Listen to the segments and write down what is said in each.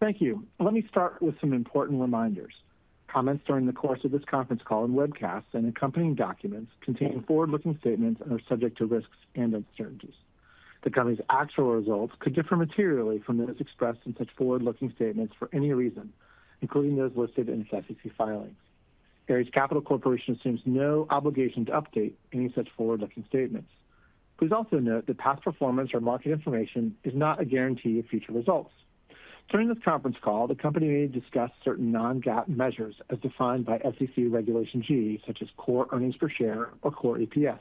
Thank you. Let me start with some important reminders. Comments during the course of this conference call and webcast and accompanying documents contain forward-looking statements and are subject to risks and uncertainties. The company's actual results could differ materially from those expressed in such forward-looking statements for any reason, including those listed in its SEC filings. Ares Capital Corporation assumes no obligation to update any such forward-looking statements. Please also note that past performance or market information is not a guarantee of future results. During this conference call, the company may discuss certain non-GAAP measures as defined by SEC Regulation G, such as core earnings per share or core EPS.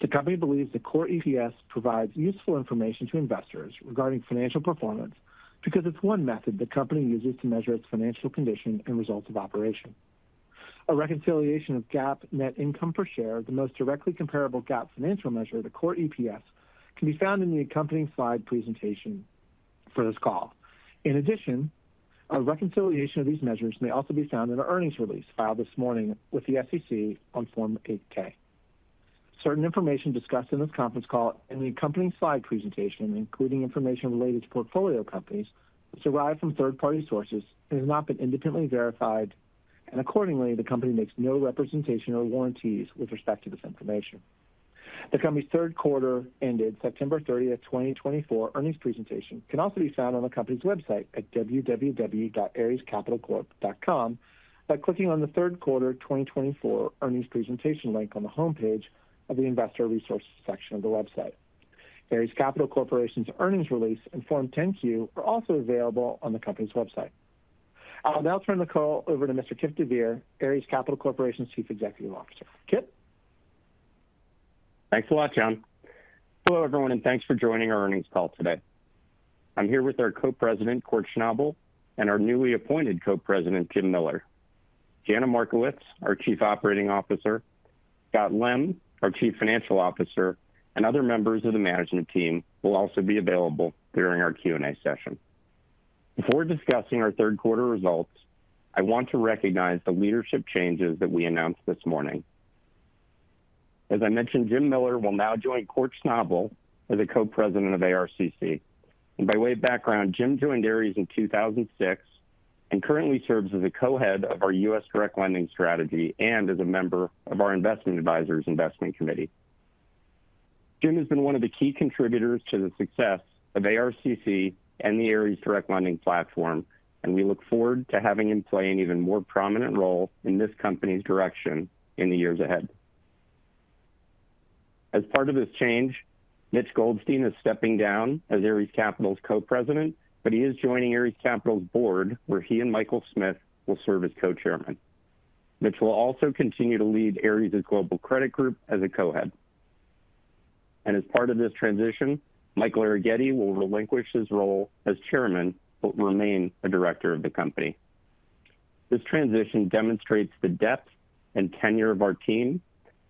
The company believes the core EPS provides useful information to investors regarding financial performance because it's one method the company uses to measure its financial condition and results of operations. A reconciliation of GAAP net income per share, the most directly comparable GAAP financial measure, the core EPS, can be found in the accompanying slide presentation for this call. In addition, a reconciliation of these measures may also be found in an earnings release filed this morning with the SEC on Form 8-K. Certain information discussed in this conference call and the accompanying slide presentation, including information related to portfolio companies, was derived from third-party sources and has not been independently verified, and accordingly, the company makes no representation or warranties with respect to this information. The company's third quarter-ending September 30th, 2024 earnings presentation can also be found on the company's website at www.arescapitalcorp.com by clicking on the third quarter 2024 earnings presentation link on the homepage of the Investor Resources section of the website. Ares Capital Corporation's earnings release and Form 10-Q are also available on the company's website. I'll now turn the call over to Mr. Kipp deVeer, Ares Capital Corporation's Chief Executive Officer. Kipp. Thanks a lot, John. Hello, everyone, and thanks for joining our earnings call today. I'm here with our Co-President, Kort Schnabel, and our newly appointed Co-President, Jim Miller. Jana Markowicz, our Chief Operating Officer, Scott Lem, our Chief Financial Officer, and other members of the management team will also be available during our Q&A session. Before discussing our third quarter results, I want to recognize the leadership changes that we announced this morning. As I mentioned, Jim Miller will now join Kort Schnabel as a Co-President of ARCC, and by way of background, Jim joined Ares in 2006 and currently serves as a co-head of our U.S. direct lending strategy and as a member of our Investment Advisor's Investment Committee. Jim has been one of the key contributors to the success of ARCC and the Ares direct lending platform, and we look forward to having him play an even more prominent role in this company's direction in the years ahead. As part of this change, Mitch Goldstein is stepping down as Ares Capital's co-president, but he is joining Ares Capital's board, where he and Michael Smith will serve as co-chairman. Mitch will also continue to lead Ares' global credit group as a co-head, and as part of this transition, Michael Arougheti will relinquish his role as chairman but will remain a director of the company. This transition demonstrates the depth and tenure of our team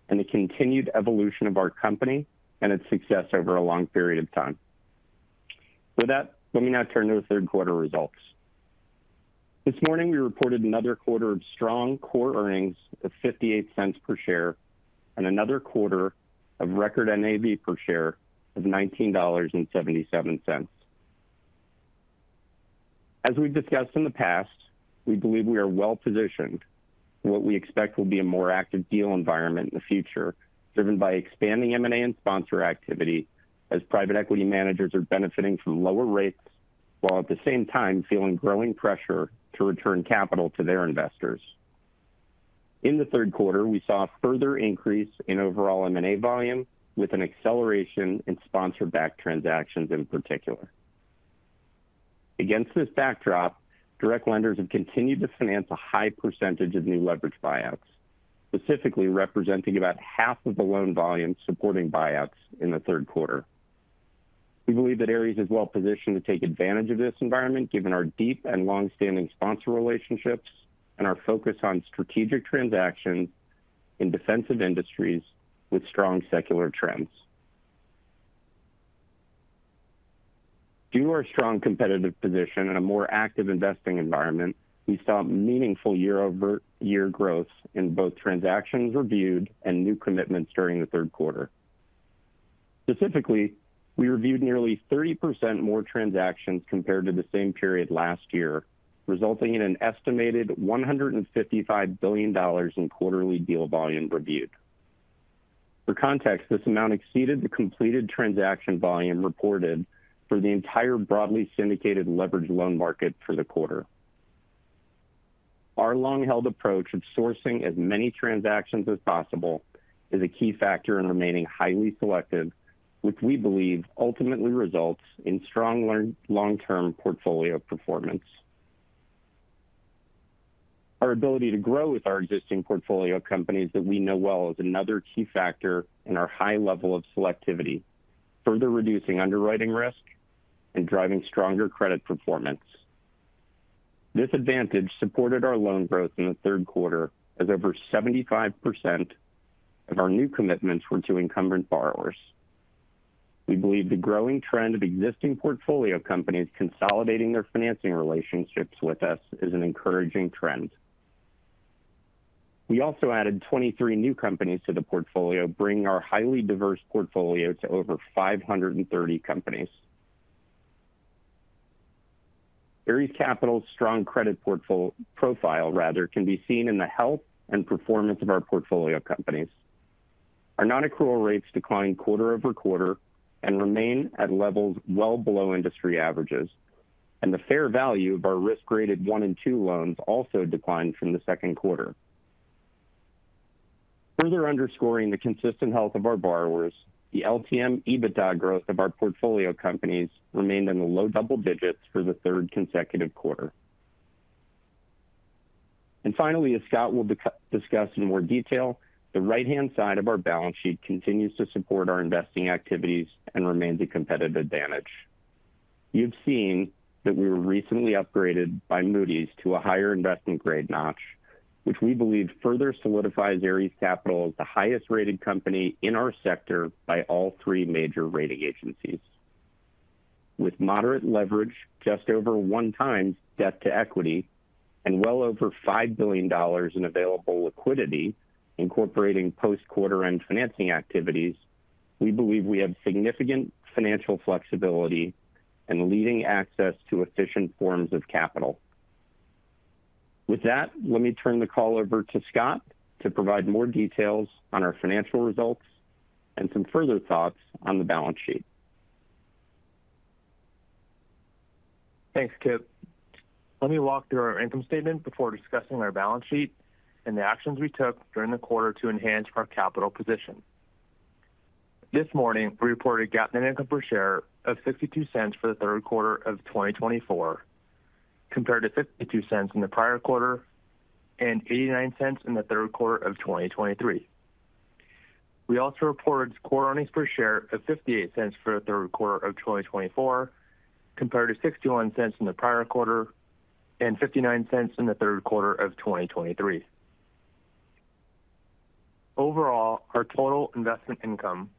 and the continued evolution of our company and its success over a long period of time. With that, let me now turn to the third quarter results. This morning, we reported another quarter of strong core earnings of $0.58 per share and another quarter of record NAV per share of $19.77. As we've discussed in the past, we believe we are well positioned. What we expect will be a more active deal environment in the future, driven by expanding M&A and sponsor activity as private equity managers are benefiting from lower rates while at the same time feeling growing pressure to return capital to their investors. In the third quarter, we saw a further increase in overall M&A volume with an acceleration in sponsor-backed transactions in particular. Against this backdrop, direct lenders have continued to finance a high percentage of new leveraged buyouts, specifically representing about half of the loan volume supporting buyouts in the third quarter. We believe that Ares is well positioned to take advantage of this environment, given our deep and long-standing sponsor relationships and our focus on strategic transactions in defensive industries with strong secular trends. Due to our strong competitive position and a more active investing environment, we saw meaningful year-over-year growth in both transactions reviewed and new commitments during the third quarter. Specifically, we reviewed nearly 30% more transactions compared to the same period last year, resulting in an estimated $155 billion in quarterly deal volume reviewed. For context, this amount exceeded the completed transaction volume reported for the entire broadly syndicated leveraged loan market for the quarter. Our long-held approach of sourcing as many transactions as possible is a key factor in remaining highly selective, which we believe ultimately results in strong long-term portfolio performance. Our ability to grow with our existing portfolio companies that we know well is another key factor in our high level of selectivity, further reducing underwriting risk and driving stronger credit performance. This advantage supported our loan growth in the third quarter as over 75% of our new commitments were to incumbent borrowers. We believe the growing trend of existing portfolio companies consolidating their financing relationships with us is an encouraging trend. We also added 23 new companies to the portfolio, bringing our highly diverse portfolio to over 530 companies. Ares Capital's strong credit profile, rather, can be seen in the health and performance of our portfolio companies. Our non-accrual rates declined quarter over quarter and remain at levels well below industry averages, and the fair value of our risk-rated one and two loans also declined from the second quarter. Further underscoring the consistent health of our borrowers, the LTM EBITDA growth of our portfolio companies remained in the low double digits for the third consecutive quarter, and finally, as Scott will discuss in more detail, the right-hand side of our balance sheet continues to support our investing activities and remains a competitive advantage. You've seen that we were recently upgraded by Moody's to a higher investment-grade notch, which we believe further solidifies Ares Capital as the highest-rated company in our sector by all three major rating agencies. With moderate leverage, just over one times debt to equity, and well over $5 billion in available liquidity, incorporating post-quarter-end financing activities, we believe we have significant financial flexibility and leading access to efficient forms of capital. With that, let me turn the call over to Scott to provide more details on our financial results and some further thoughts on the balance sheet. Thanks, Kipp. Let me walk through our income statement before discussing our balance sheet and the actions we took during the quarter to enhance our capital position. This morning, we reported GAAP net income per share of $0.62 for the third quarter of 2024, compared to $0.52 in the prior quarter and $0.89 in the third quarter of 2023. We also reported core earnings per share of $0.58 for the third quarter of 2024, compared to $0.61 in the prior quarter and $0.59 in the third quarter of 2023. Overall, our total investment income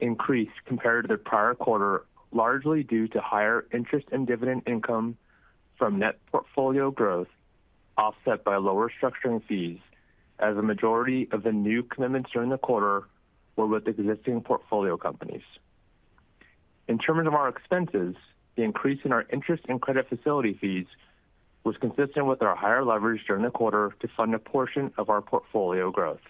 increased compared to the prior quarter, largely due to higher interest and dividend income from net portfolio growth offset by lower structuring fees, as a majority of the new commitments during the quarter were with existing portfolio companies. In terms of our expenses, the increase in our interest and credit facility fees was consistent with our higher leverage during the quarter to fund a portion of our portfolio growth.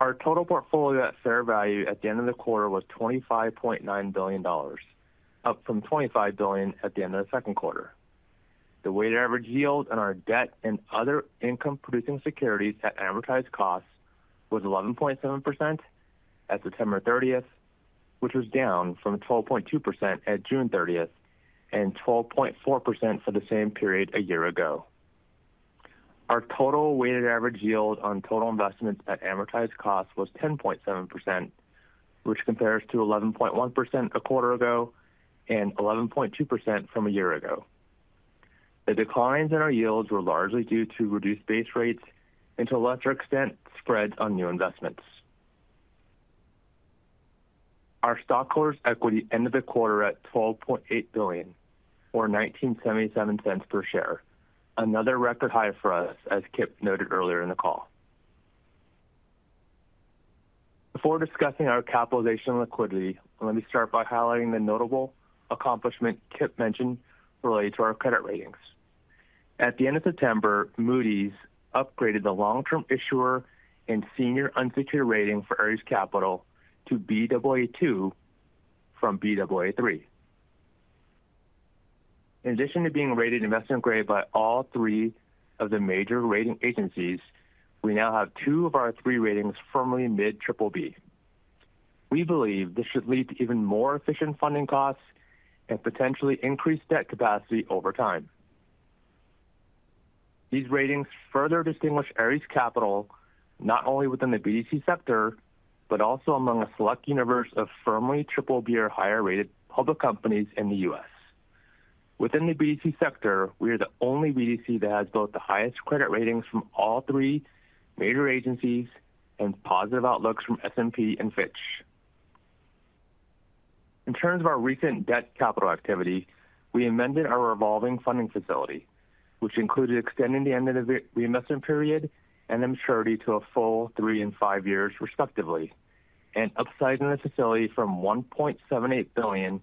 Our total portfolio at fair value at the end of the quarter was $25.9 billion, up from $25 billion at the end of the second quarter. The weighted average yield on our debt and other income-producing securities at amortized costs was 11.7% at September 30th, which was down from 12.2% at June 30th and 12.4% for the same period a year ago. Our total weighted average yield on total investments at amortized costs was 10.7%, which compares to 11.1% a quarter ago and 11.2% from a year ago. The declines in our yields were largely due to reduced base rates and, to a lesser extent, spreads on new investments. Our stockholders' equity ended the quarter at $12.8 billion, or $19.77 per share, another record high for us, as Kipp noted earlier in the call. Before discussing our capitalization and liquidity, let me start by highlighting the notable accomplishment Kipp mentioned related to our credit ratings. At the end of September, Moody's upgraded the long-term issuer and senior unsecured rating for Ares Capital to Baa2 from Baa3. In addition to being rated investment-grade by all three of the major rating agencies, we now have two of our three ratings firmly mid-BBB. We believe this should lead to even more efficient funding costs and potentially increased debt capacity over time. These ratings further distinguish Ares Capital not only within the BDC sector, but also among a select universe of firmly BBB- or higher-rated public companies in the U.S. Within the BDC sector, we are the only BDC that has both the highest credit ratings from all three major agencies and positive outlooks from S&P and Fitch. In terms of our recent debt capital activity, we amended our revolving funding facility, which included extending the end of the reinvestment period and the maturity to a full three and five years, respectively, and upsizing the facility from $1.78 billion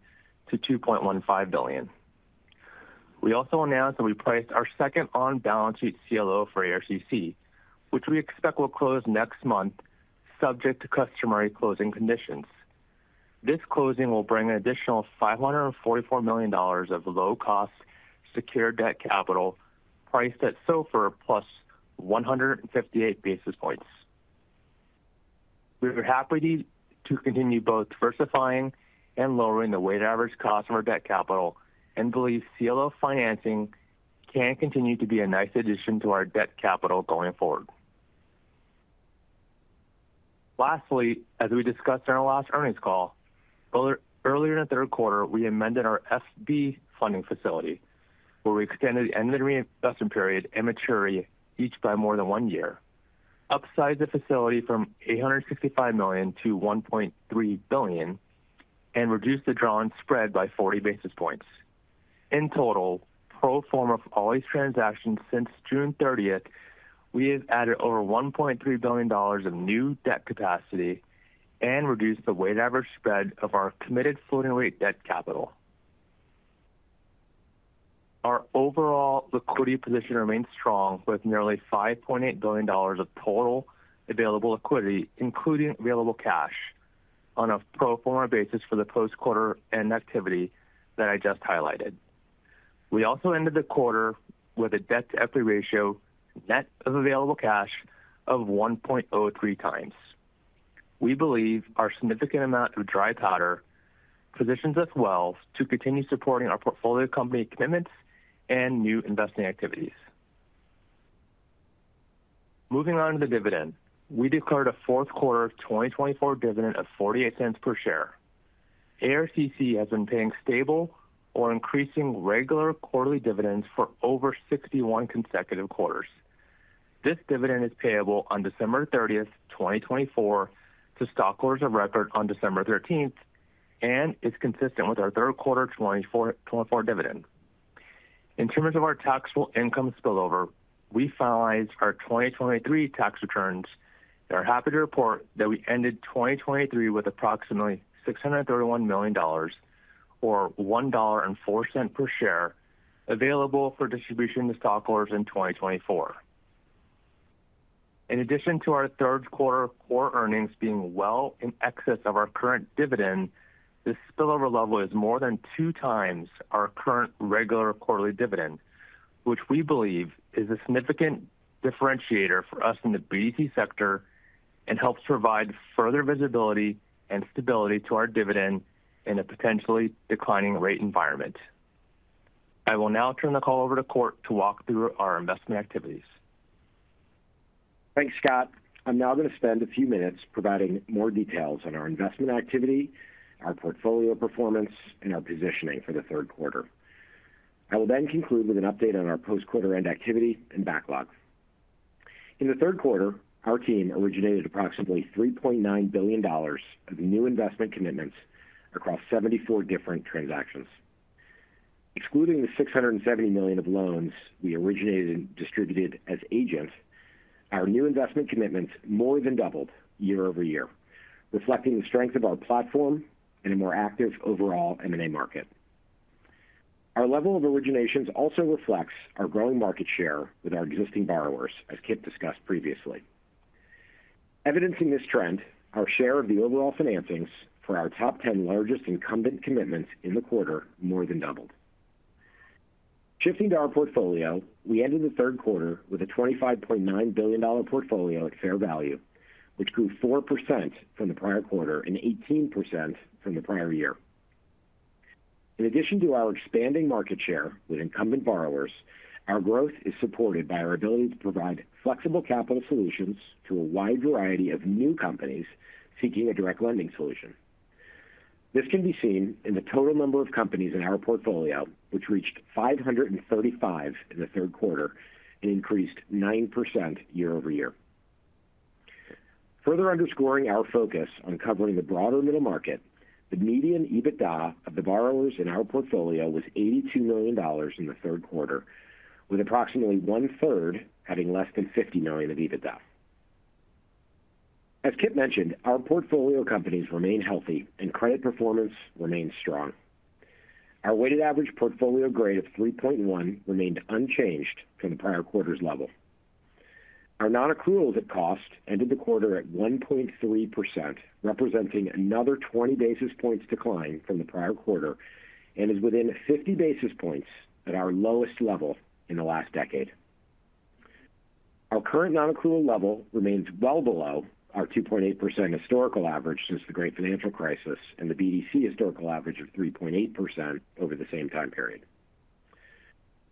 to $2.15 billion. We also announced that we priced our second on-balance sheet CLO for ARCC, which we expect will close next month, subject to customary closing conditions. This closing will bring an additional $544 million of low-cost secured debt capital priced at SOFR plus 158 basis points. We are happy to continue both diversifying and lowering the weighted average cost of our debt capital and believe CLO financing can continue to be a nice addition to our debt capital going forward. Lastly, as we discussed in our last earnings call, earlier in the third quarter, we amended our BNP Paribas funding facility, where we extended the end of the reinvestment period and maturity each by more than one year, upsized the facility from $865 million to $1.3 billion, and reduced the drawn spread by 40 basis points. In total, pro forma of all these transactions since June 30th, we have added over $1.3 billion of new debt capacity and reduced the weighted average spread of our committed floating-rate debt capital. Our overall liquidity position remains strong, with nearly $5.8 billion of total available liquidity, including available cash, on a pro forma basis for the post-quarter-end activity that I just highlighted. We also ended the quarter with a debt-to-equity ratio net of available cash of 1.03 times. We believe our significant amount of dry powder positions us well to continue supporting our portfolio company commitments and new investing activities. Moving on to the dividend, we declared a fourth quarter 2024 dividend of $0.48 per share. ARCC has been paying stable or increasing regular quarterly dividends for over 61 consecutive quarters. This dividend is payable on December 30th, 2024, to stockholders of record on December 13th, and it's consistent with our third quarter 2024 dividend. In terms of our taxable income spillover, we finalized our 2023 tax returns. We are happy to report that we ended 2023 with approximately $631 million, or $1.04 per share, available for distribution to stockholders in 2024. In addition to our third quarter core earnings being well in excess of our current dividend, the spillover level is more than two times our current regular quarterly dividend, which we believe is a significant differentiator for us in the BDC sector and helps provide further visibility and stability to our dividend in a potentially declining rate environment. I will now turn the call over to Kort to walk through our investment activities. Thanks, Scott. I'm now going to spend a few minutes providing more details on our investment activity, our portfolio performance, and our positioning for the third quarter. I will then conclude with an update on our post-quarter-end activity and backlog. In the third quarter, our team originated approximately $3.9 billion of new investment commitments across 74 different transactions. Excluding the $670 million of loans we originated and distributed as agent, our new investment commitments more than doubled year over year, reflecting the strength of our platform and a more active overall M&A market. Our level of originations also reflects our growing market share with our existing borrowers, as Kipp discussed previously. Evidencing this trend, our share of the overall financings for our top 10 largest incumbent commitments in the quarter more than doubled. Shifting to our portfolio, we ended the third quarter with a $25.9 billion portfolio at fair value, which grew 4% from the prior quarter and 18% from the prior year. In addition to our expanding market share with incumbent borrowers, our growth is supported by our ability to provide flexible capital solutions to a wide variety of new companies seeking a direct lending solution. This can be seen in the total number of companies in our portfolio, which reached 535 in the third quarter and increased 9% year over year. Further underscoring our focus on covering the broader middle market, the median EBITDA of the borrowers in our portfolio was $82 million in the third quarter, with approximately one-third having less than $50 million of EBITDA. As Kipp mentioned, our portfolio companies remain healthy and credit performance remains strong. Our weighted average portfolio grade of 3.1 remained unchanged from the prior quarter's level. Our non-accrual at cost ended the quarter at 1.3%, representing another 20 basis points decline from the prior quarter and is within 50 basis points at our lowest level in the last decade. Our current non-accrual level remains well below our 2.8% historical average since the Great Financial Crisis and the BDC historical average of 3.8% over the same time period.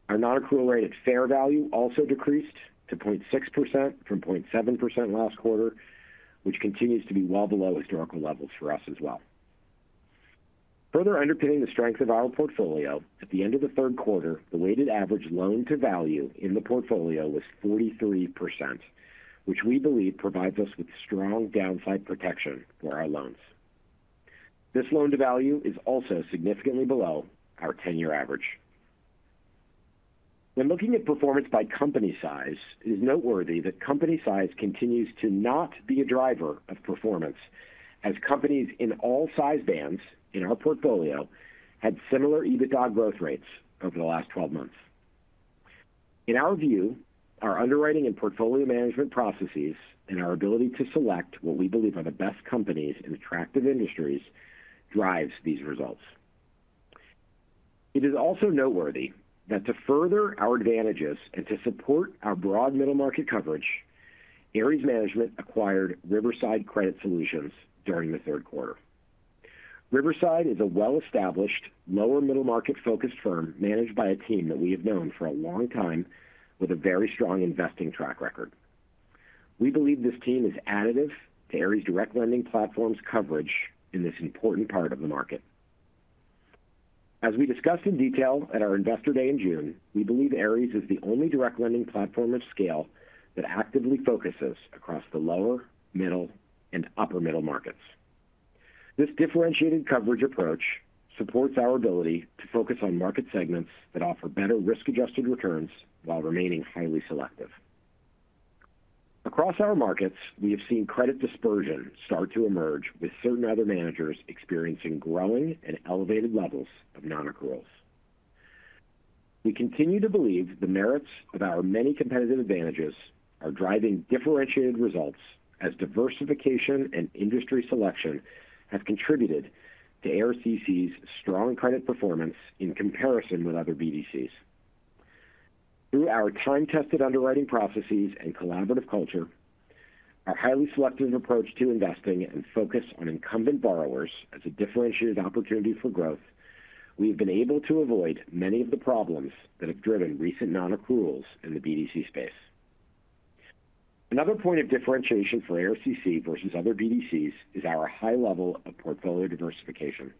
Our non-accrual rate at fair value also decreased to 0.6% from 0.7% last quarter, which continues to be well below historical levels for us as well. Further underpinning the strength of our portfolio, at the end of the third quarter, the weighted average loan-to-value in the portfolio was 43%, which we believe provides us with strong downside protection for our loans. This loan-to-value is also significantly below our 10-year average. When looking at performance by company size, it is noteworthy that company size continues to not be a driver of performance, as companies in all size bands in our portfolio had similar EBITDA growth rates over the last 12 months. In our view, our underwriting and portfolio management processes and our ability to select what we believe are the best companies in attractive industries drives these results. It is also noteworthy that to further our advantages and to support our broad middle market coverage, Ares Management acquired Riverside Credit Solutions during the third quarter. Riverside is a well-established, lower middle market-focused firm managed by a team that we have known for a long time with a very strong investing track record. We believe this team is additive to Ares' direct lending platform's coverage in this important part of the market. As we discussed in detail at our Investor Day in June, we believe Ares is the only direct lending platform of scale that actively focuses across the lower, middle, and upper middle markets. This differentiated coverage approach supports our ability to focus on market segments that offer better risk-adjusted returns while remaining highly selective. Across our markets, we have seen credit dispersion start to emerge, with certain other managers experiencing growing and elevated levels of non-accruals. We continue to believe the merits of our many competitive advantages are driving differentiated results, as diversification and industry selection have contributed to ARCC's strong credit performance in comparison with other BDCs. Through our time-tested underwriting processes and collaborative culture, our highly selective approach to investing, and focus on incumbent borrowers as a differentiated opportunity for growth, we have been able to avoid many of the problems that have driven recent non-accruals in the BDC space. Another point of differentiation for ARCC versus other BDCs is our high level of portfolio diversification.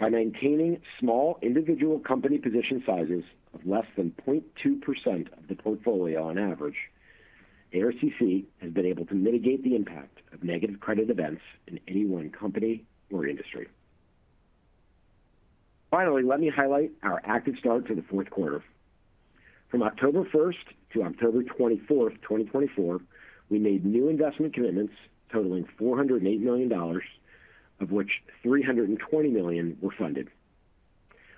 By maintaining small individual company position sizes of less than 0.2% of the portfolio on average, ARCC has been able to mitigate the impact of negative credit events in any one company or industry. Finally, let me highlight our active start to the fourth quarter. From October 1st to October 24th, 2024, we made new investment commitments totaling $408 million, of which $320 million were funded.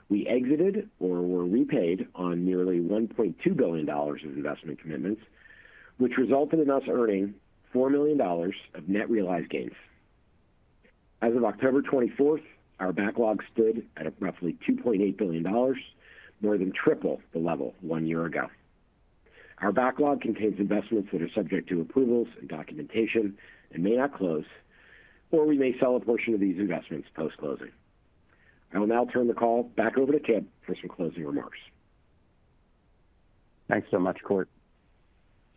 We exited or were repaid on nearly $1.2 billion of investment commitments, which resulted in us earning $4 million of net realized gains. As of October 24th, our backlog stood at roughly $2.8 billion, more than triple the level one year ago. Our backlog contains investments that are subject to approvals and documentation and may not close, or we may sell a portion of these investments post-closing. I will now turn the call back over to Kipp for some closing remarks. Thanks so much, Kort.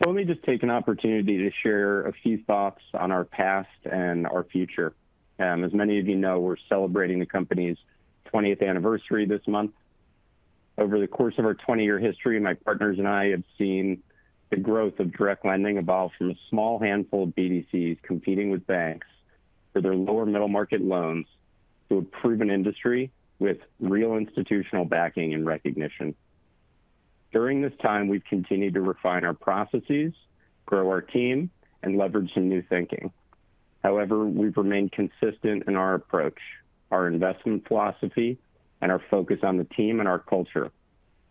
So let me just take an opportunity to share a few thoughts on our past and our future. As many of you know, we're celebrating the company's 20th anniversary this month. Over the course of our 20-year history, my partners and I have seen the growth of direct lending evolve from a small handful of BDCs competing with banks for their lower middle market loans to a proven industry with real institutional backing and recognition. During this time, we've continued to refine our processes, grow our team, and leverage some new thinking. However, we've remained consistent in our approach, our investment philosophy, and our focus on the team and our culture,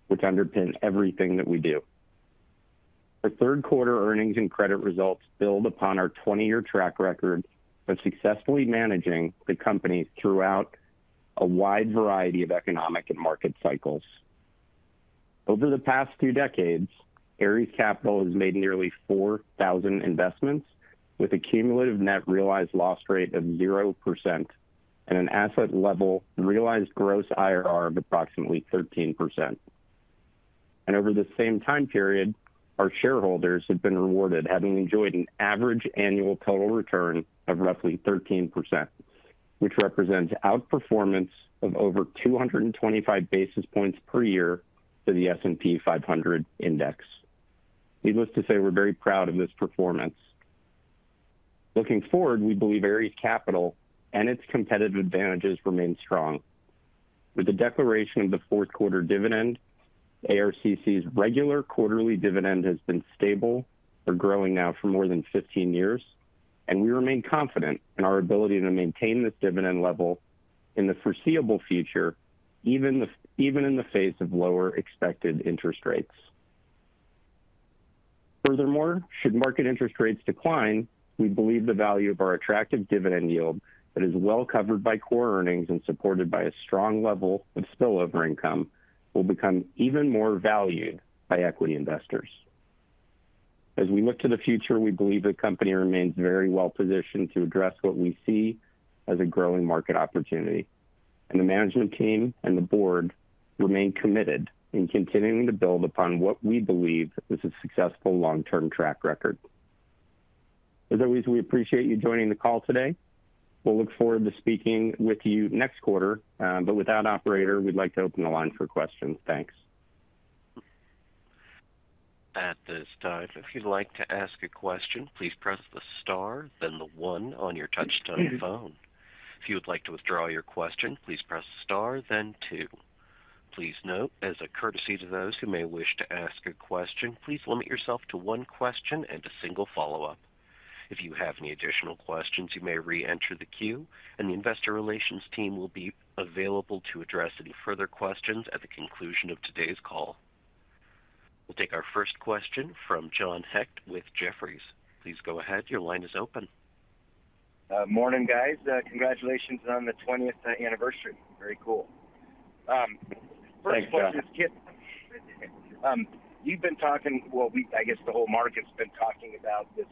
which underpin everything that we do. Our third quarter earnings and credit results build upon our 20-year track record of successfully managing the companies throughout a wide variety of economic and market cycles. Over the past two decades, Ares Capital has made nearly 4,000 investments with a cumulative net realized loss rate of 0% and an asset-level realized gross IRR of approximately 13%. And over the same time period, our shareholders have been rewarded, having enjoyed an average annual total return of roughly 13%, which represents outperformance of over 225 basis points per year to the S&P 500 Index. Needless to say, we're very proud of this performance. Looking forward, we believe Ares Capital and its competitive advantages remain strong. With the declaration of the fourth quarter dividend, ARCC's regular quarterly dividend has been stable, or growing now for more than 15 years, and we remain confident in our ability to maintain this dividend level in the foreseeable future, even in the face of lower expected interest rates. Furthermore, should market interest rates decline, we believe the value of our attractive dividend yield that is well covered by core earnings and supported by a strong level of spillover income will become even more valued by equity investors. As we look to the future, we believe the company remains very well positioned to address what we see as a growing market opportunity, and the management team and the board remain committed in continuing to build upon what we believe is a successful long-term track record. As always, we appreciate you joining the call today. We'll look forward to speaking with you next quarter, but with that, Operator, we'd like to open the line for questions. Thanks. At this time, if you'd like to ask a question, please press the star, then the one on your touch-tone phone. If you would like to withdraw your question, please press star, then two. Please note, as a courtesy to those who may wish to ask a question, please limit yourself to one question and a single follow-up. If you have any additional questions, you may re-enter the queue, and the investor relations team will be available to address any further questions at the conclusion of today's call. We'll take our first question from John Hecht with Jefferies. Please go ahead. Your line is open. Morning, guys. Congratulations on the 20th anniversary. Very cool. First question is, Kipp, you've been talking, well, I guess the whole market's been talking about this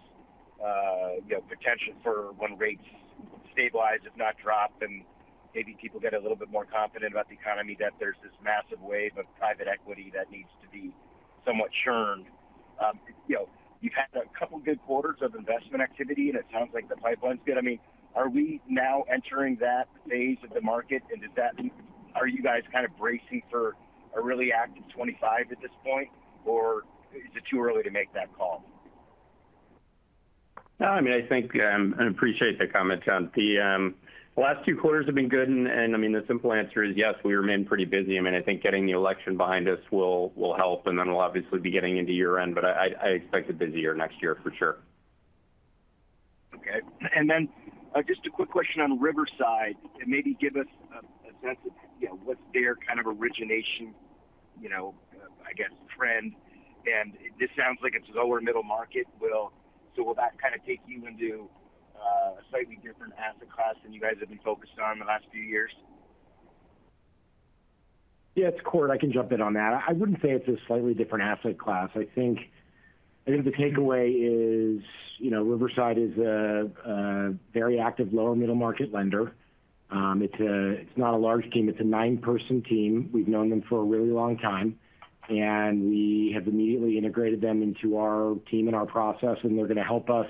potential for when rates stabilize, if not drop, and maybe people get a little bit more confident about the economy, that there's this massive wave of private equity that needs to be somewhat churned. You've had a couple of good quarters of investment activity, and it sounds like the pipeline's good. I mean, are we now entering that phase of the market, and are you guys kind of bracing for a really active '25 at this point, or is it too early to make that call? No, I mean, I think and appreciate the comment, John. The last two quarters have been good, and I mean, the simple answer is yes, we remain pretty busy. I mean, I think getting the election behind us will help, and then we'll obviously be getting into year-end, but I expect a busier next year for sure. Okay. And then just a quick question on Riverside, and maybe give us a sense of what's their kind of origination, I guess, trend. And this sounds like it's lower middle market. So will that kind of take you into a slightly different asset class than you guys have been focused on the last few years? Yeah, it's Kort. I can jump in on that. I wouldn't say it's a slightly different asset class. I think the takeaway is Riverside is a very active lower middle market lender. It's not a large team. It's a nine-person team. We've known them for a really long time, and we have immediately integrated them into our team and our process, and they're going to help us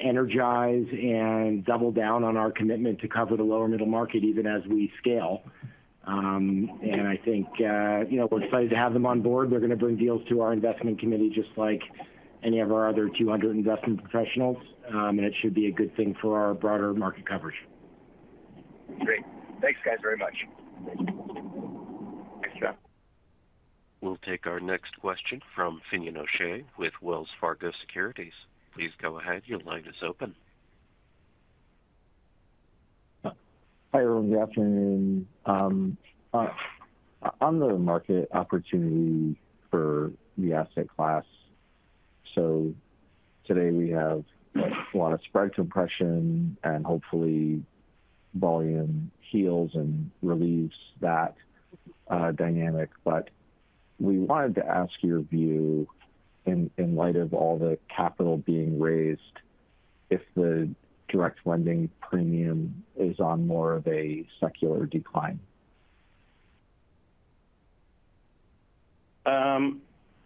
energize and double down on our commitment to cover the lower middle market even as we scale. And I think we're excited to have them on board. They're going to bring deals to our investment committee just like any of our other 200 investment professionals, and it should be a good thing for our broader market coverage. Great. Thanks, guys, very much. Thanks, John. We'll take our next question from Finian O'Shea with Wells Fargo Securities. Please go ahead. Your line is open. Hi, everyone. Good afternoon. On the market opportunity for the asset class, so today we have a lot of spread compression, and hopefully volume heals and relieves that dynamic. But we wanted to ask your view, in light of all the capital being raised, if the direct lending premium is on more of a secular decline?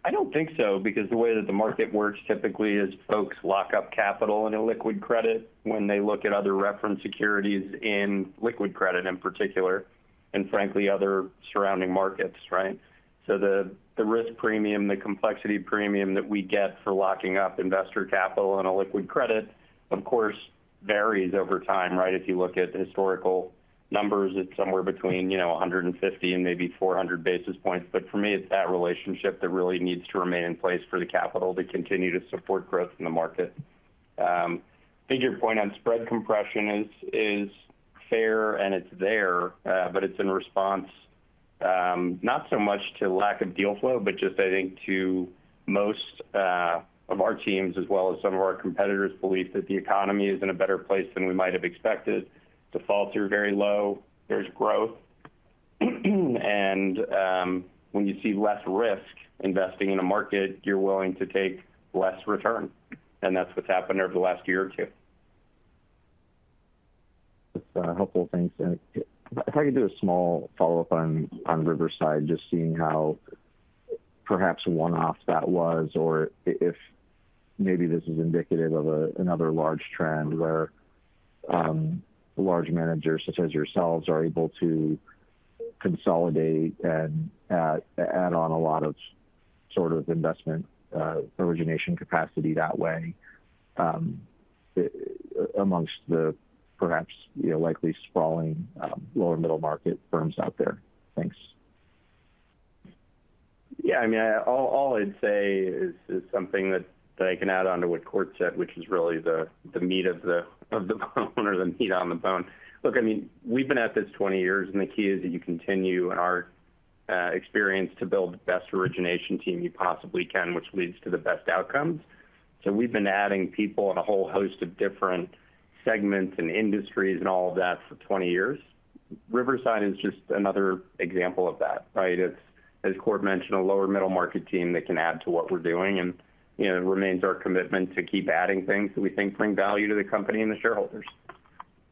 I don't think so, because the way that the market works typically is folks lock up capital in a liquid credit when they look at other reference securities in liquid credit in particular, and frankly, other surrounding markets, right? So the risk premium, the complexity premium that we get for locking up investor capital in a liquid credit, of course, varies over time, right? If you look at historical numbers, it's somewhere between 150 and maybe 400 basis points. But for me, it's that relationship that really needs to remain in place for the capital to continue to support growth in the market. I think your point on spread compression is fine, and it's there, but it's in response not so much to lack of deal flow, but just, I think, to most of our teams, as well as some of our competitors' belief that the economy is in a better place than we might have expected. Defaults are very low. There's growth. And when you see less risk investing in a market, you're willing to take less return. And that's what's happened over the last year or two. That's helpful. Thanks. If I could do a small follow-up on Riverside, just seeing how perhaps one-off that was, or if maybe this is indicative of another large trend where large managers such as yourselves are able to consolidate and add on a lot of sort of investment origination capacity that way amongst the perhaps likely sprawling lower middle market firms out there? Thanks. Yeah. I mean, all I'd say is something that I can add on to what Kort said, which is really the meat of the bone or the meat on the bone. Look, I mean, we've been at this 20 years, and the key is that you continue, in our experience, to build the best origination team you possibly can, which leads to the best outcomes. So we've been adding people in a whole host of different segments and industries and all of that for 20 years. Riverside is just another example of that, right? As Kort mentioned, a lower middle market team that can add to what we're doing, and it remains our commitment to keep adding things that we think bring value to the company and the shareholders.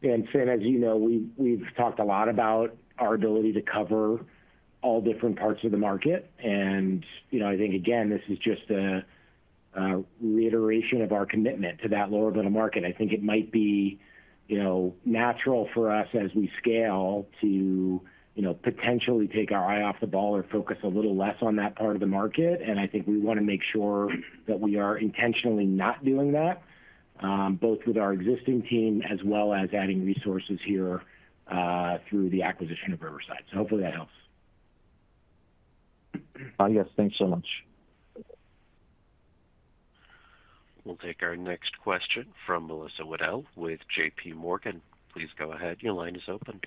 And Finian, as you know, we've talked a lot about our ability to cover all different parts of the market. And I think, again, this is just a reiteration of our commitment to that lower middle market. I think it might be natural for us, as we scale, to potentially take our eye off the ball or focus a little less on that part of the market. And I think we want to make sure that we are intentionally not doing that, both with our existing team as well as adding resources here through the acquisition of Riverside. So hopefully that helps. Yes. Thanks so much. We'll take our next question from Melissa Wedel with J.P. Morgan. Please go ahead. Your line is open.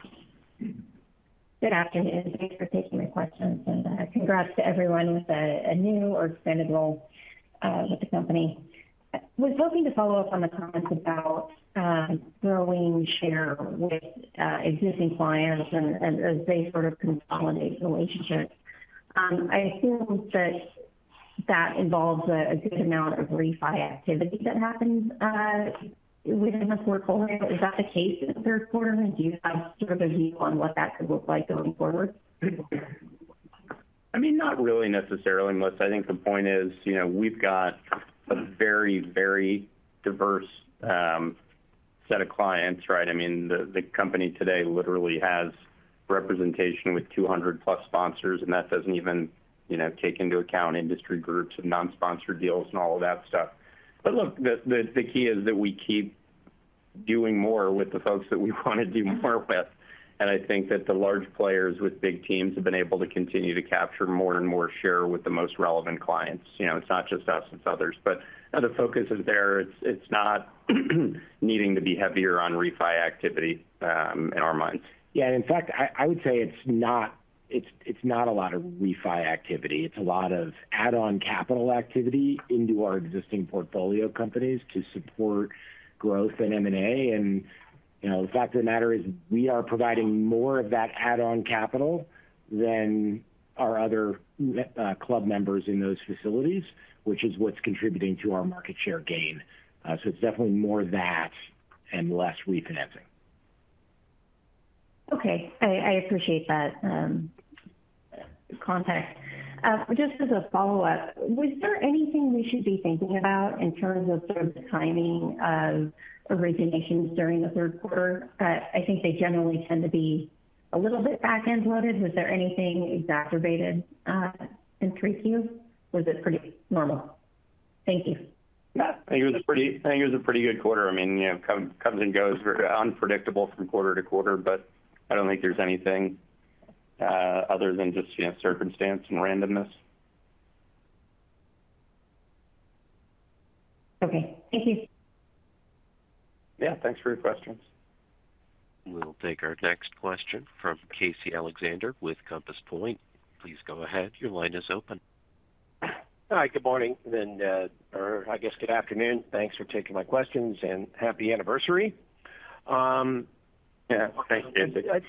Good afternoon. Thanks for taking my questions. And congrats to everyone with a new or expanded role with the company. I was hoping to follow up on the comments about growing share with existing clients and as they sort of consolidate relationships. I assume that that involves a good amount of refi activity that happens within the portfolio. Is that the case in the third quarter? And do you have sort of a view on what that could look like going forward? I mean, not really necessarily, Melissa. I think the point is we've got a very, very diverse set of clients, right? I mean, the company today literally has representation with 200-plus sponsors, and that doesn't even take into account industry groups and non-sponsored deals and all of that stuff. But look, the key is that we keep doing more with the folks that we want to do more with. And I think that the large players with big teams have been able to continue to capture more and more share with the most relevant clients. It's not just us, it's others. But the focus is there. It's not needing to be heavier on refi activity in our minds. Yeah. And in fact, I would say it's not a lot of refi activity. It's a lot of add-on capital activity into our existing portfolio companies to support growth and M&A. And the fact of the matter is we are providing more of that add-on capital than our other club members in those facilities, which is what's contributing to our market share gain. So it's definitely more of that and less refinancing. Okay. I appreciate that context. Just as a follow-up, was there anything we should be thinking about in terms of sort of timing of originations during the third quarter? I think they generally tend to be a little bit back-end loaded. Was there anything exacerbated and tricky? Was it pretty normal? Thank you. Yeah. I think it was a pretty good quarter. I mean, it comes and goes, unpredictable from quarter to quarter, but I don't think there's anything other than just circumstance and randomness. Okay. Thank you. Yeah. Thanks for your questions. We'll take our next question from Casey Alexander with Compass Point. Please go ahead. Your line is open. Hi. Good morning, and I guess good afternoon. Thanks for taking my questions, and happy anniversary. Yeah. Thank you.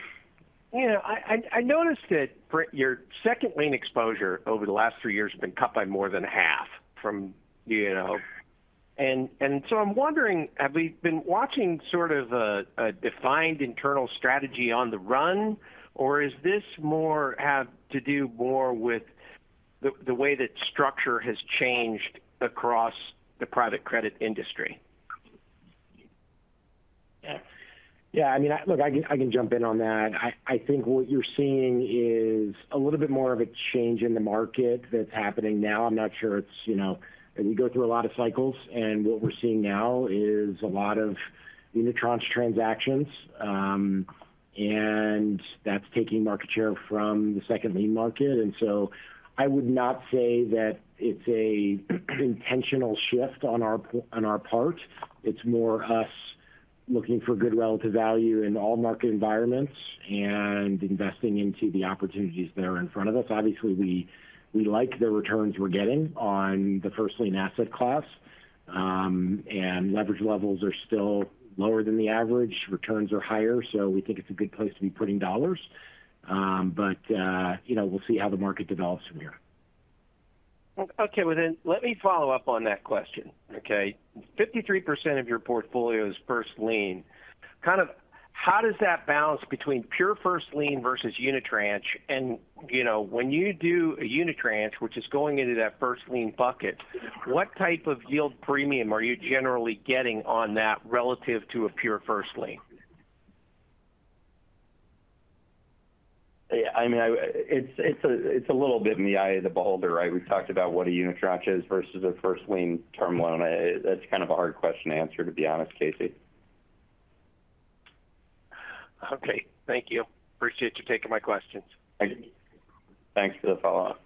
I noticed that your second-lien exposure over the last three years has been cut by more than half, and so I'm wondering, have we been watching sort of a defined internal strategy on the run, or does this have to do more with the way that structure has changed across the private credit industry? Yeah. I mean, look, I can jump in on that. I think what you're seeing is a little bit more of a change in the market that's happening now. I'm not sure it's we go through a lot of cycles, and what we're seeing now is a lot of unitranche transactions, and that's taking market share from the second-lien market. And so I would not say that it's an intentional shift on our part. It's more us looking for good relative value in all market environments and investing into the opportunities that are in front of us. Obviously, we like the returns we're getting on the first-lien asset class, and leverage levels are still lower than the average. Returns are higher, so we think it's a good place to be putting dollars. But we'll see how the market develops from here. Okay. Well, then let me follow up on that question. Okay? 53% of your portfolio is first-lien. Kind of how does that balance between pure first-lien versus unitranche? And when you do a unitranche, which is going into that first-lien bucket, what type of yield premium are you generally getting on that relative to a pure first-lien? Yeah. I mean, it's a little bit in the eye of the beholder, right? We've talked about what a unitranche is versus a first-lien term loan. That's kind of a hard question to answer, to be honest, Casey. Okay. Thank you. Appreciate you taking my questions. Thanks for the follow-up.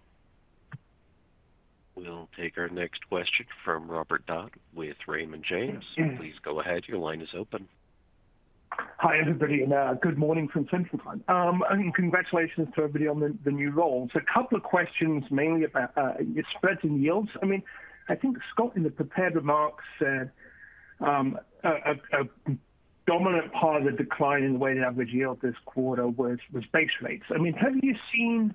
We'll take our next question from Robert Dodd with Raymond James. Please go ahead. Your line is open. Hi, everybody, and good morning from St. Pete. I mean, congratulations to everybody on the new role. So a couple of questions, mainly about spreads and yields. I mean, I think Scott in the prepared remarks said a dominant part of the decline in the weighted average yield this quarter was base rates. I mean, have you seen?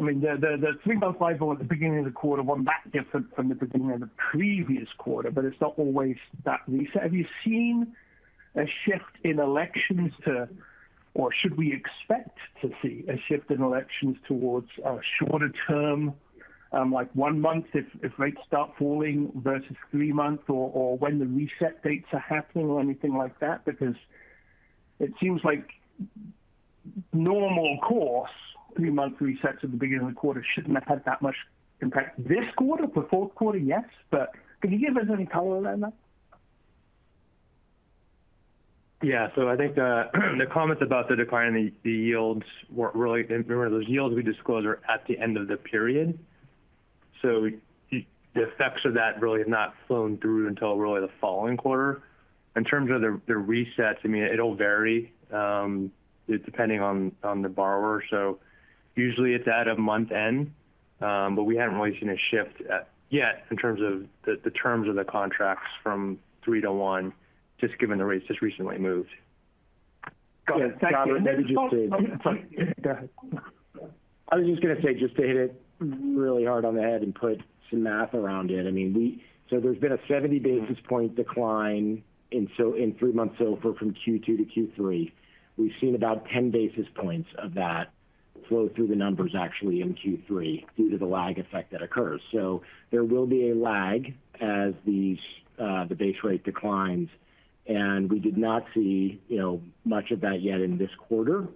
I mean, the 3.50 at the beginning of the quarter wasn't that different from the beginning of the previous quarter, but resets aren't always that recent. Have you seen a shift in elections to, or should we expect to see a shift in elections towards a shorter term, like one month if rates start falling versus three months, or when the reset dates are happening or anything like that? Because it seems like normal course, three-month resets at the beginning of the quarter shouldn't have had that much impact. This quarter, for fourth quarter, yes. But can you give us any color on that? Yeah. So I think the comments about the decline in the yields were really those yields we disclosed were at the end of the period. So the effects of that really have not flown through until really the following quarter. In terms of the resets, I mean, it'll vary depending on the borrower. So usually it's at a month end, but we haven't really seen a shift yet in terms of the terms of the contracts from three to one, just given the rates just recently moved. Got it. Thank you. I was just going to say, just to hit it really hard on the head and put some math around it. I mean, so there's been a 70 basis point decline in three-month SOFR from Q2 to Q3. We've seen about 10 basis points of that flow through the numbers, actually, in Q3 due to the lag effect that occurs. So there will be a lag as the base rate declines. And we did not see much of that yet in this quarter.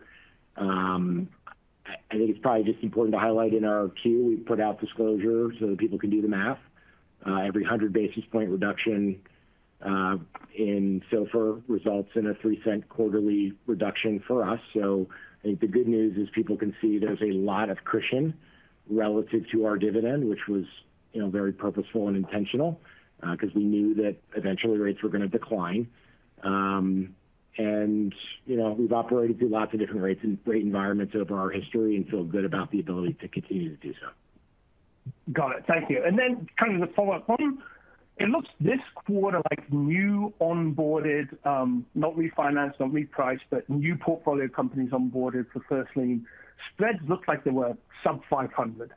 I think it's probably just important to highlight in our 10-Q, we put out disclosures so that people can do the math. Every 100 basis point reduction in SOFR results in a $0.03 quarterly reduction for us. So I think the good news is people can see there's a lot of cushion relative to our dividend, which was very purposeful and intentional because we knew that eventually rates were going to decline. And we've operated through lots of different rates and rate environments over our history and feel good about the ability to continue to do so. Got it. Thank you. And then kind of the follow-up one, it looks this quarter like new onboarded, not refinanced, not repriced, but new portfolio companies onboarded for first-lien. Spreads looked like they were sub-500.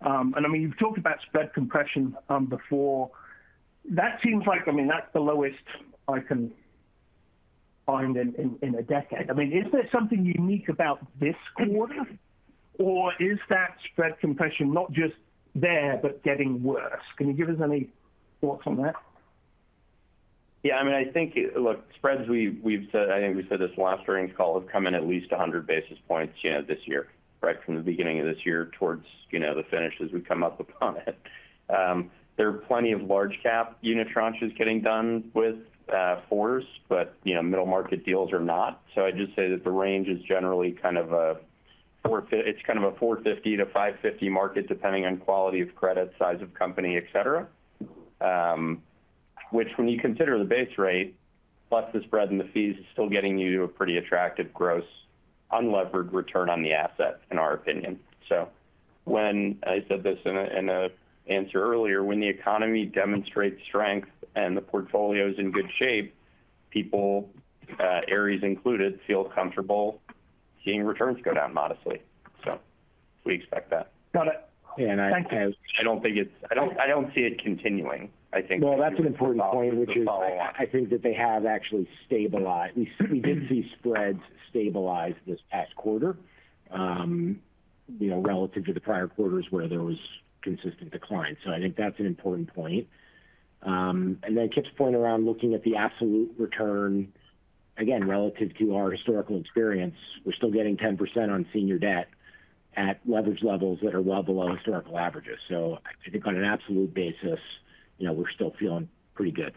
And I mean, you've talked about spread compression before. That seems like, I mean, that's the lowest I can find in a decade. I mean, is there something unique about this quarter, or is that spread compression not just there, but getting worse? Can you give us any thoughts on that? Yeah. I mean, I think, look, spreads we've said, I mean, I think we said this last earnings call, have come in at least 100 basis points this year, right, from the beginning of this year towards the finish as we come up upon it. There are plenty of large-cap unitranches getting done with fours, but middle market deals are not. So I'd just say that the range is generally kind of a 450-550 market, depending on quality of credit, size of company, etc. Which, when you consider the base rate plus the spread and the fees, is still getting you a pretty attractive gross unleveraged return on the asset, in our opinion. So when I said this in an answer earlier, when the economy demonstrates strength and the portfolio is in good shape, people, Ares included, feel comfortable seeing returns go down modestly. So we expect that. Got it. I don't think it's. I don't see it continuing. I think. Well, that's an important point, which is. Follow-up. I think that they have actually stabilized. We did see spreads stabilize this past quarter relative to the prior quarters where there was consistent decline. So I think that's an important point. And then Kipp's point around looking at the absolute return, again, relative to our historical experience, we're still getting 10% on senior debt at leverage levels that are well below historical averages. So I think on an absolute basis, we're still feeling pretty good.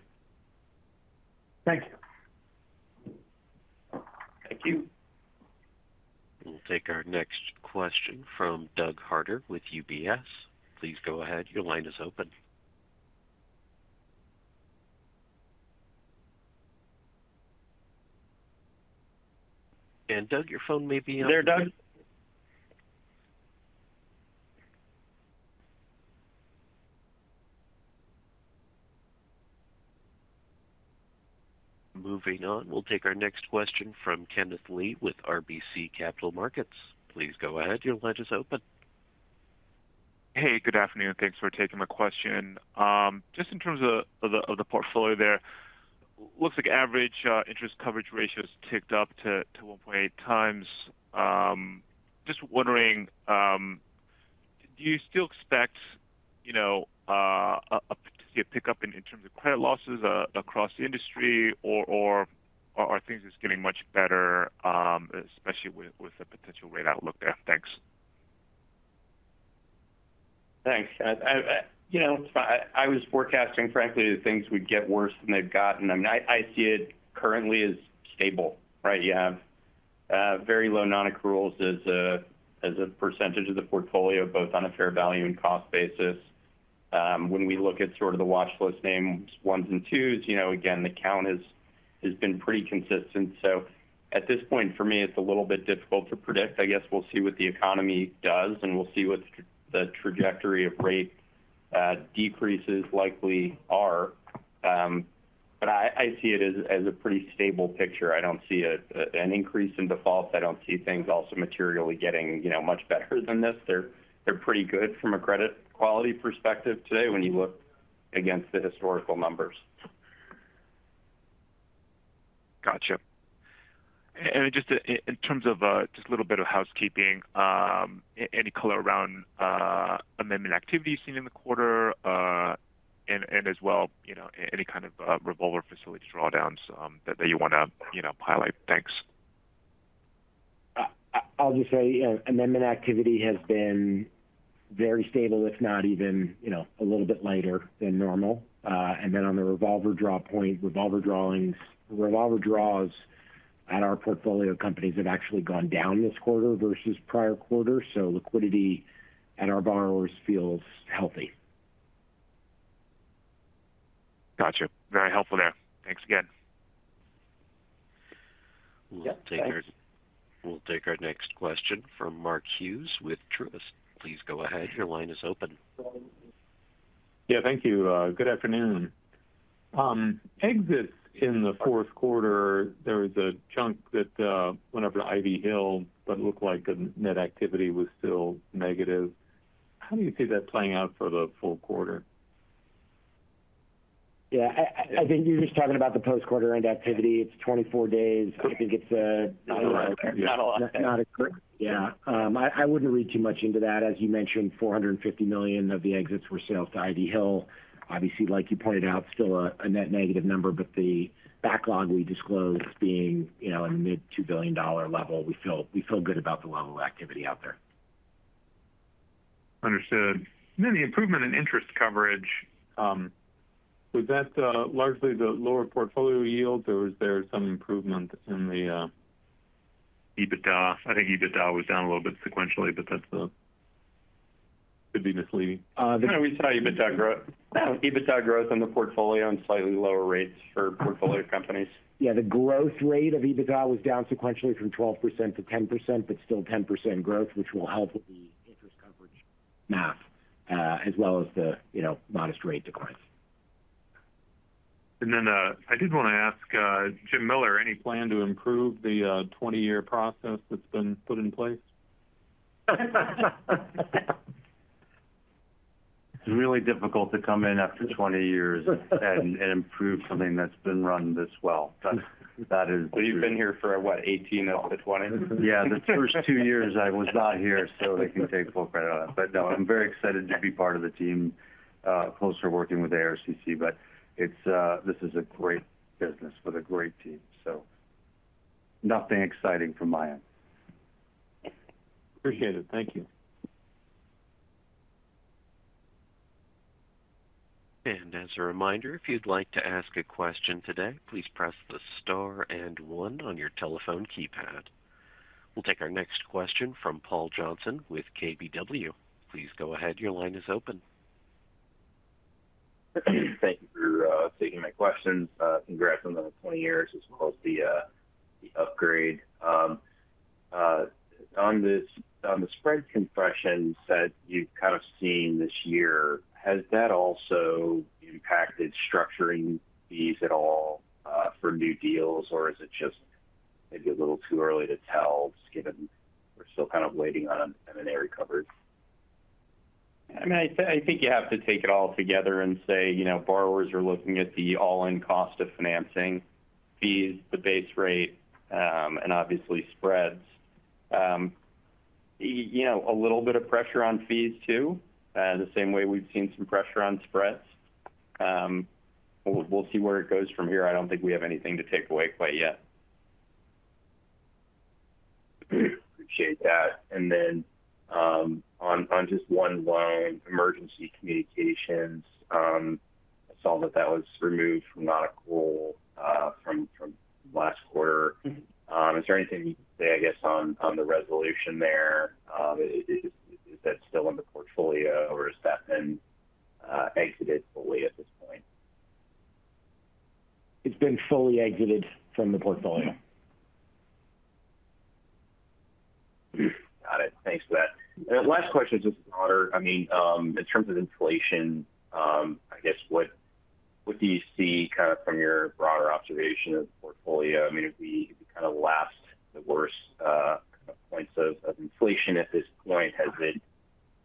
Thank you. Thank you. We'll take our next question from Doug Harter with UBS. Please go ahead. Your line is open, and Doug, your phone may be on. There, Doug? Moving on, we'll take our next question from Kenneth Lee with RBC Capital Markets. Please go ahead. Your line is open. Hey, good afternoon. Thanks for taking my question. Just in terms of the portfolio there, it looks like average interest coverage ratio has ticked up to 1.8 times. Just wondering, do you still expect to see a pickup in terms of credit losses across the industry, or are things just getting much better, especially with the potential rate outlook there? Thanks. Thanks. I was forecasting, frankly, that things would get worse than they've gotten. I mean, I see it currently as stable, right? You have very low non-accruals as a percentage of the portfolio, both on a fair value and cost basis. When we look at sort of the watch list names, ones and twos, again, the count has been pretty consistent. So at this point, for me, it's a little bit difficult to predict. I guess we'll see what the economy does, and we'll see what the trajectory of rate decreases likely are. But I see it as a pretty stable picture. I don't see an increase in defaults. I don't see things also materially getting much better than this. They're pretty good from a credit quality perspective today when you look against the historical numbers. Gotcha. And just in terms of just a little bit of housekeeping, any color around amendment activity seen in the quarter, and as well, any kind of revolver facility drawdowns that you want to highlight? Thanks. I'll just say amendment activity has been very stable, if not even a little bit lighter than normal. And then on the revolver draw points, revolver draws at our portfolio companies have actually gone down this quarter versus prior quarter. So liquidity at our borrowers feels healthy. Gotcha. Very helpful there. Thanks again. We'll take our next question from Mark Hughes with Truist. Please go ahead. Your line is open. Yeah. Thank you. Good afternoon. Exits in the fourth quarter, there was a chunk that went over to Ivy Hill, but it looked like the net activity was still negative. How do you see that playing out for the full quarter? Yeah. I think you're just talking about the post-quarter end activity. It's 24 days. I think it's not a lot. Yeah. I wouldn't read too much into that. As you mentioned, $450 million of the exits were sales to Ivy Hill. Obviously, like you pointed out, still a net negative number, but the backlog we disclosed being in the mid-$2 billion level. We feel good about the level of activity out there. Understood. And then the improvement in interest coverage, was that largely the lower portfolio yields, or was there some improvement in the? I think EBITDA was down a little bit sequentially, but that could be misleading. We saw EBITDA growth on the portfolio and slightly lower rates for portfolio companies. Yeah. The growth rate of EBITDA was down sequentially from 12% to 10%, but still 10% growth, which will help with the interest coverage math, as well as the modest rate declines. And then I did want to ask Jim Miller, any plan to improve the 20-year process that's been put in place? It's really difficult to come in after 20 years and improve something that's been run this well. That is. But you've been here for, what, 18 of the 20? Yeah. The first two years, I was not here, so they can take full credit on it. But no, I'm very excited to be part of the team, closer working with ARCC. But this is a great business with a great team. So nothing exciting from my end. Appreciate it. Thank you. As a reminder, if you'd like to ask a question today, please press the star and one on your telephone keypad. We'll take our next question from Paul Johnson with KBW. Please go ahead. Your line is open. Thank you for taking my questions. Congrats on the 20 years as well as the upgrade. On the spread compression that you've kind of seen this year, has that also impacted structuring fees at all for new deals, or is it just maybe a little too early to tell, just given we're still kind of waiting on an area coverage? I mean, I think you have to take it all together and say borrowers are looking at the all-in cost of financing, fees, the base rate, and obviously spreads. A little bit of pressure on fees too, the same way we've seen some pressure on spreads. We'll see where it goes from here. I don't think we have anything to take away quite yet. Appreciate that. And then on just one line, Emergency Communications, I saw that that was removed from non-accrual from last quarter. Is there anything you can say, I guess, on the resolution there? Is that still in the portfolio, or has that been exited fully at this point? It's been fully exited from the portfolio. Got it. Thanks for that. Last question, just broader. I mean, in terms of inflation, I guess, what do you see kind of from your broader observation of the portfolio? I mean, if we kind of passed the worst points of inflation at this point, has it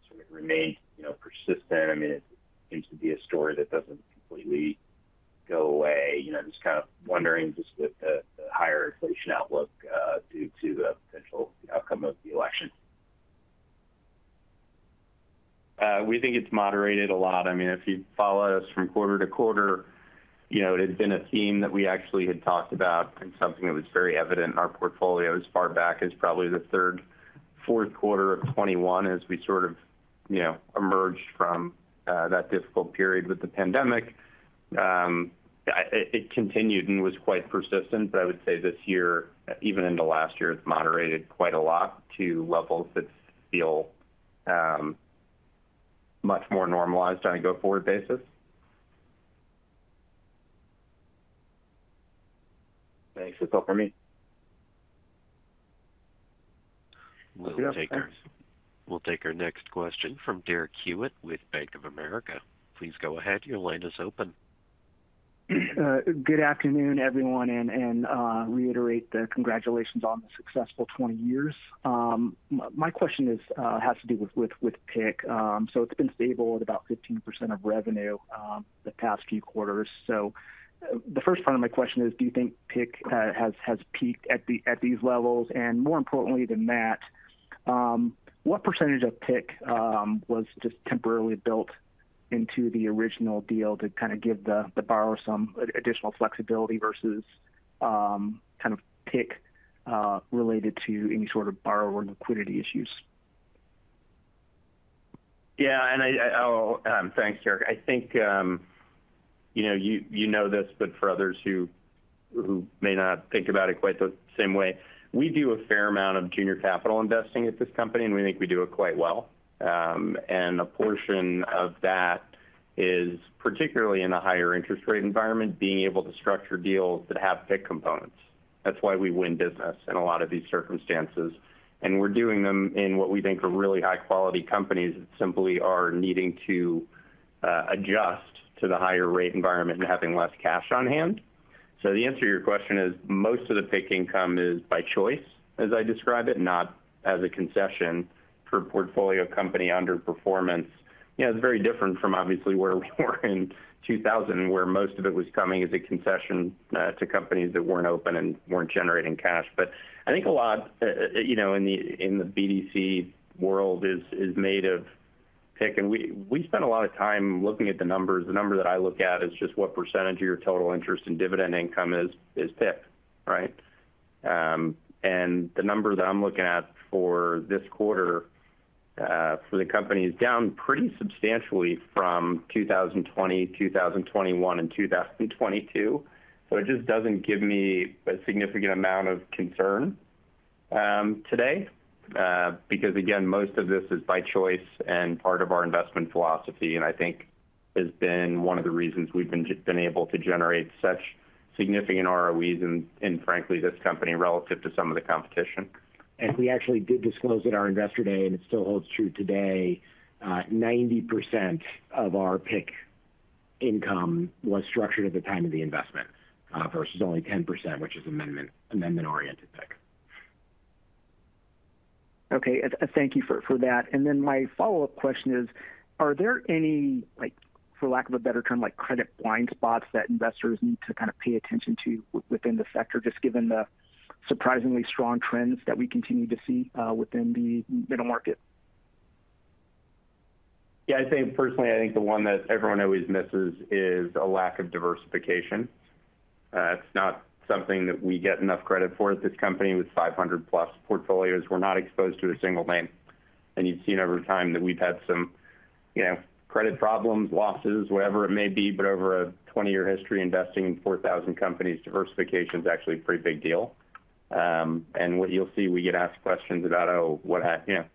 sort of remained persistent? I mean, it seems to be a story that doesn't completely go away. Just kind of wondering just with the higher inflation outlook due to the potential outcome of the election. We think it's moderated a lot. I mean, if you follow us from quarter to quarter, it had been a theme that we actually had talked about and something that was very evident in our portfolio as far back as probably the third, fourth quarter of 2021, as we sort of emerged from that difficult period with the pandemic. It continued and was quite persistent. But I would say this year, even in the last year, it's moderated quite a lot to levels that feel much more normalized on a go-forward basis. Thanks. That's all for me. We'll take our next question from Derek Hewett with Bank of America. Please go ahead. Your line is open. Good afternoon, everyone, and reiterate the congratulations on the successful 20 years. My question has to do with PIK. So it's been stable at about 15% of revenue the past few quarters. So the first part of my question is, do you think PIK has peaked at these levels? And more importantly than that, what percentage of PIK was just temporarily built into the original deal to kind of give the borrower some additional flexibility versus kind of PIK related to any sort of borrower liquidity issues? Yeah. And thanks, Derek. I think you know this, but for others who may not think about it quite the same way, we do a fair amount of junior capital investing at this company, and we think we do it quite well. And a portion of that is particularly in a higher interest rate environment, being able to structure deals that have PIK components. That's why we win business in a lot of these circumstances. And we're doing them in what we think are really high-quality companies that simply are needing to adjust to the higher rate environment and having less cash on hand. So the answer to your question is most of the PIK income is by choice, as I describe it, not as a concession for a portfolio company underperformance. It's very different from, obviously, where we were in 2020, where most of it was coming as a concession to companies that weren't open and weren't generating cash. But I think a lot in the BDC world is made of PIK. And we spend a lot of time looking at the numbers. The number that I look at is just what percentage of your total interest and dividend income is PIK, right? And the number that I'm looking at for this quarter for the company is down pretty substantially from 2020, 2021, and 2022. So it just doesn't give me a significant amount of concern today because, again, most of this is by choice and part of our investment philosophy, and I think has been one of the reasons we've been able to generate such significant ROEs in, frankly, this company relative to some of the competition. And we actually did disclose at our Investor Day, and it still holds true today, 90% of our PIK income was structured at the time of the investment versus only 10%, which is amendment-oriented PIK. Okay. Thank you for that. And then my follow-up question is, are there any, for lack of a better term, credit blind spots that investors need to kind of pay attention to within the sector, just given the surprisingly strong trends that we continue to see within the middle market? Yeah. I think, personally, I think the one that everyone always misses is a lack of diversification. It's not something that we get enough credit for at this company with 500-plus portfolios. We're not exposed to a single name. And you've seen over time that we've had some credit problems, losses, whatever it may be. But over a 20-year history investing in 4,000 companies, diversification is actually a pretty big deal. And what you'll see, we get asked questions about, "Oh, what happened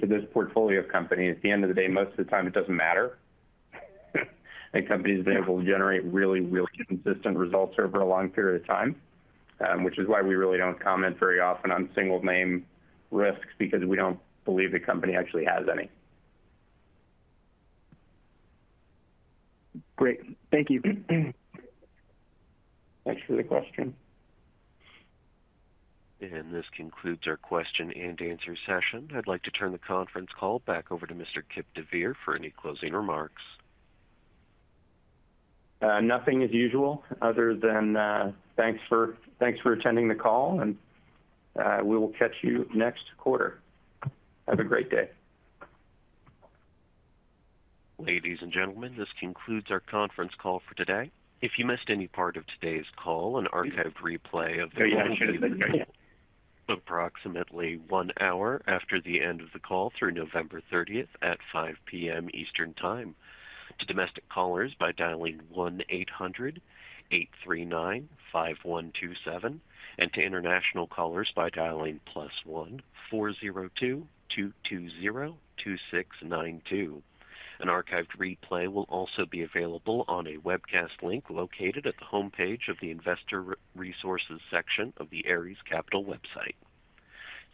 to this portfolio company?" At the end of the day, most of the time, it doesn't matter. And companies have been able to generate really, really consistent results over a long period of time, which is why we really don't comment very often on single-name risks because we don't believe the company actually has any. Great. Thank you. Thanks for the question. This concludes our question and answer session. I'd like to turn the conference call back over to Mr. Kipp deVeer for any closing remarks. Nothing as usual other than thanks for attending the call. And we will catch you next quarter. Have a great day. Ladies and gentlemen, this concludes our conference call for today. If you missed any part of today's call, an archived replay of the recording is available for approximately one hour after the end of the call through November 30th at 5:00 P.M. Eastern Time. To domestic callers by dialing 1-800-839-5127, and to international callers by dialing +1-402-220-2692. An archived replay will also be available on a webcast link located at the homepage of the Investor Resources section of the Ares Capital website.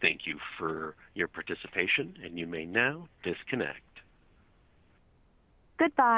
Thank you for your participation, and you may now disconnect. Goodbye.